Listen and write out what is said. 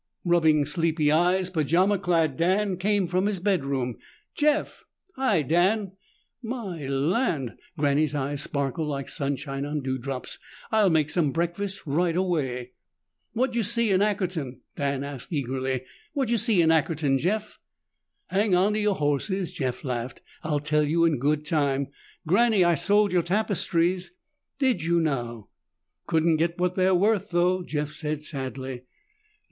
Rubbing sleepy eyes, pajama clad Dan came from his bedroom. "Jeff!" "Hi, Dan!" "My land!" Granny's eyes sparkled like sunshine on dewdrops. "I'll make some breakfast right away." "What'd you see in Ackerton?" Dan asked eagerly. "What'd you see in Ackerton, Jeff." "Hang on to your horses!" Jeff laughed. "I'll tell you in good time. Granny, I sold your tapestries." "Did you now?" "Couldn't get what they're worth, though," Jeff said sadly.